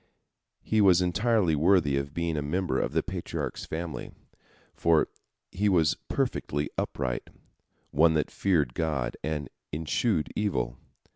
He was entirely worthy of being a member of the Patriarch's family, for he was perfectly upright, one that feared God, and eschewed evil.